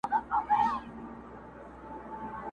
سېل د زاڼو پر ساحل باندي تیریږي!.